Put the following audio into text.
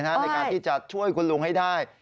ในการที่จะช่วยคุณลุงให้ได้